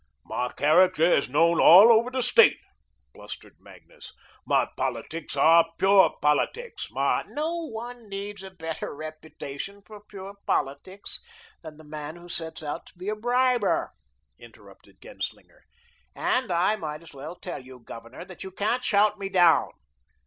"My character is known all over the State," blustered Magnus. "My politics are pure politics. My " "No one needs a better reputation for pure politics than the man who sets out to be a briber," interrupted Genslinger, "and I might as well tell you, Governor, that you can't shout me down.